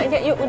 yuk yuk yuk